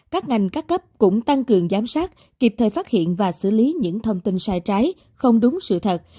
các ngành các cấp cũng tăng cường giám sát kịp thời phát hiện và xử lý những thông tin sai trái không đúng sự thật